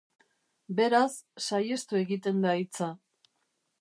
Beraz, saihestu egiten da hitza.